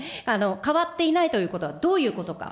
変わっていないということは、どういうことか。